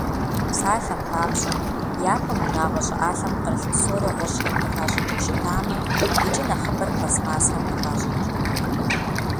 Псалъэм папщӀэ, япэм унагъуэ щӀыӀалъэм пкърылъ псори гъущӀхэм къыхащӀыкӀыу щытамэ, иджы нэхъыбэр пластмассэхэм къыхащӀыкӀ.